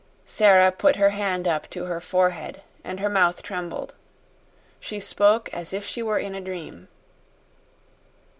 Sara put her hand up to her forehead, and her mouth trembled. She spoke as if she were in a dream.